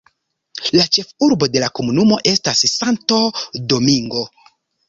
La ĉefurbo de la komunumo estas Santo Domingo.